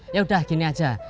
yaudah gini aja